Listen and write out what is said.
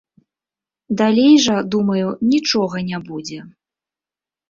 Далей жа, думаю, нічога не будзе.